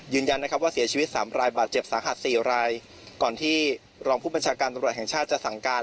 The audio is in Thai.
ยืนยันนะครับว่าเสียชีวิตสามรายบาดเจ็บสาหัสสี่รายก่อนที่รองผู้บัญชาการตำรวจแห่งชาติจะสั่งการ